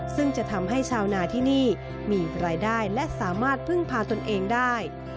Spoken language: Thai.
ซึ่งจะทำให้ชาวนาที่นี่มีรายได้และสามารถพึ่งพาตนเองได้